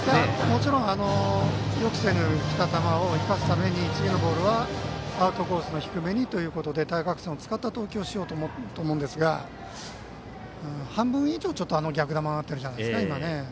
もちろん予期せぬ球を生かすために次のボールはアウトコースの低めにということで対角線を使った投球をしようと思ったんですが半分以上、逆球じゃないですか。